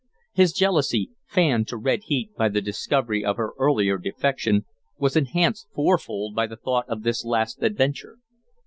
His jealousy, fanned to red heat by the discovery of her earlier defection, was enhanced fourfold by the thought of this last adventure.